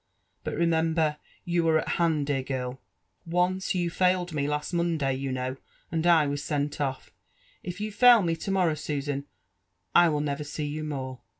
But remember, you are at hand, dear girl ! Once you failed me— last Monday, you know, atid I was sent off. If you fail me to morrow, Susan, I will never see you more."